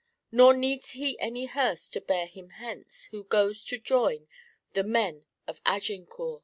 "Nor needs he any hearse to bear him hence Who goes to join the men of Agincourt."